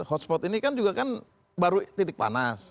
hotspot ini kan juga kan baru titik panas